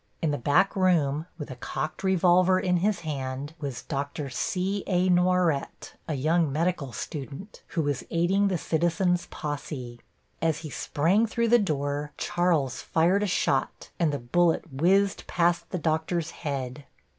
In the back room, with a cocked revolver in his hand, was Dr. C.A. Noiret, a young medical student, who was aiding the citizens' posse. As he sprang through the door Charles fired a shot, and the bullet whizzed past the doctor's head.